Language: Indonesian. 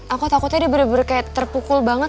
aku takutnya udah bener bener kayak terpukul banget